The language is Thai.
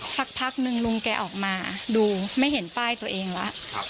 สักพักนึงลุงแกออกมาดูไม่เห็นป้ายตัวเองแล้ว